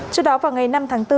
trước đó vào ngày năm tháng bốn